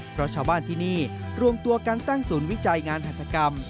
เพราะชาวบ้านที่นี่รวมตัวกันตั้งศูนย์วิจัยงานหัฐกรรม